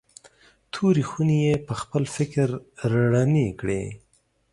تورې خونې یې پخپل فکر رڼې کړې.